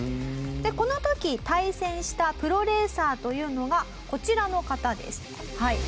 この時対戦したプロレーサーというのがこちらの方ですはい。